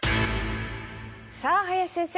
さぁ林先生